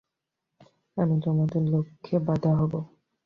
আমি তোমাদের লক্ষ্যে বাধা হব।